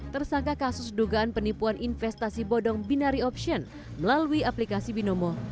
tersangka kasus dugaan penipuan investasi bodong binari option melalui aplikasi binomo